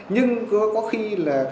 nhưng có khi có khi không có